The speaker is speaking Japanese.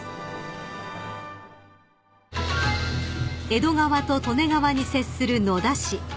［江戸川と利根川に接する野田市］